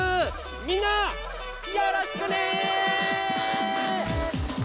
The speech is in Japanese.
みんなよろしくね！